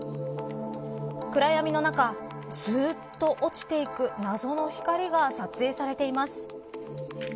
暗闇の中すーっと落ちていく謎の光が撮影されています。